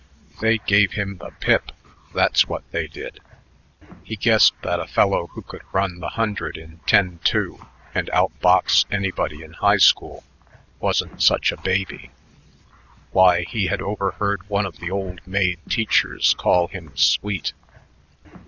They gave him the pip, that's what they did. He guessed that a fellow who could run the hundred in 10: 2 and out box anybody in high school wasn't such a baby. Why, he had overheard one of the old maid teachers call him sweet.